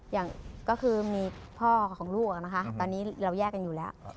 อย่างก็คือมีพ่อของลูกนะคะตอนนี้เราแยกกันอยู่แล้ว